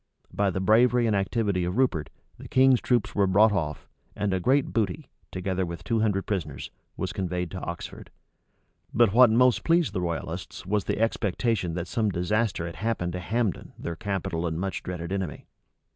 By the bravery and activity of Rupert, the king's troops were brought off, and a great booty, together with two hundred prisoners, was conveyed to Oxford. But what most pleased the royalists was the expectation that some disaster had happened to Hambden their capital and much dreaded enemy.